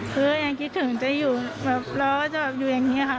คือยังคิดถึงจะอยู่แบบเราก็จะอยู่อย่างนี้ค่ะ